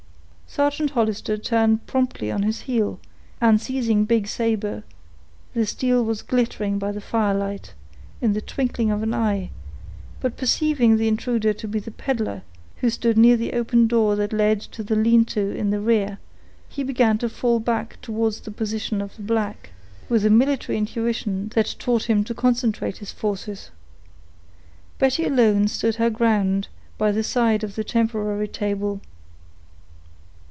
Sergeant Hollister turned promptly on his heel, and seizing big saber, the steel was glittering by the firelight, in the twinkling of an eye; but perceiving the intruder to be the peddler, who stood near the open door that led to the lean to in the rear, he began to fall back towards the position of the black, with a military intuition that taught him to concentrate his forces. Betty alone stood her ground, by the side of the temporary table.